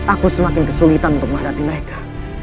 aku semakin kesulitan untuk menghadapi mereka